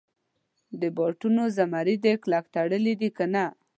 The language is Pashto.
د بوټانو مزي دي کلک تړلي دي کنه.